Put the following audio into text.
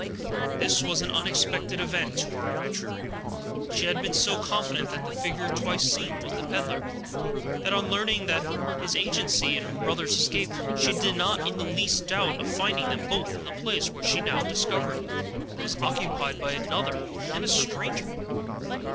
This was an unexpected event to our adventurer. She had been so confident that the figure twice seen was the peddler, that on learning his agency in her brother's escape, she did not in the least doubt of finding them both in the place, which, she now discovered, was occupied by another and a stranger.